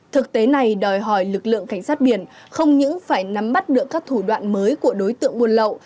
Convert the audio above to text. thực tế này đòi hỏi lực lượng cảnh sát biển không những phải nắm bắt được các thủ đoạn mới của đối tượng buôn lậu